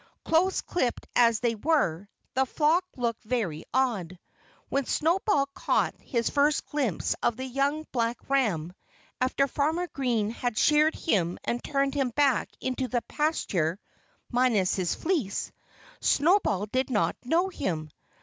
Close clipped as they were, the flock looked very odd. When Snowball caught his first glimpse of the young black ram, after Farmer Green had sheared him and turned him back into the pasture, minus his fleece, Snowball did not know him.